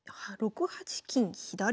６八金左。